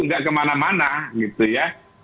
nggak kemana mana gitu ya